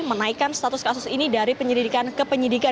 menaikkan status kasus ini dari penyelidikan ke penyidikan